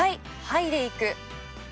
剥いでいく。